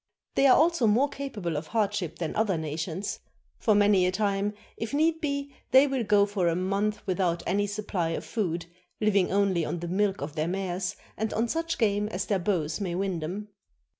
They are also more capable of hardship than other nations; for many a time, if need be, they will go for a month without any supply of food, living only on the milk of their mares and on such game as their bows may win them.